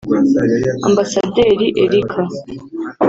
Ambasaderi Erica